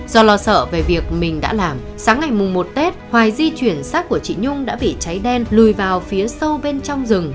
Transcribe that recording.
do lo sợ về việc mình đã làm sáng ngày mùng một tết hoài di chuyển sát của chị nhung đã bị cháy đen lùi vào phía sâu bên trong rừng